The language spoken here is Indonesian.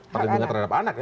terlindungan terhadap anak ya